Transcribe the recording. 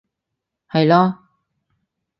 係囉